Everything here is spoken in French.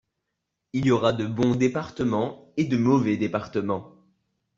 Il y aura de bons départements et de mauvais départements